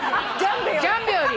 ジャンベより？